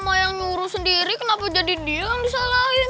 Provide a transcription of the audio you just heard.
kalo dio yang nyuruh sendiri kenapa jadi dia yang disalahin